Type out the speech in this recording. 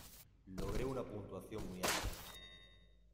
Logré una puntuación muy alta.